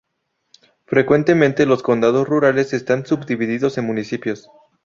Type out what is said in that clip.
Frecuentemente los condados rurales están subdivididos en municipios.